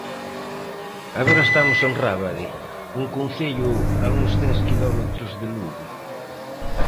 Agora estamos en Rábade, un concello a uns dez quilómetros de Lugo.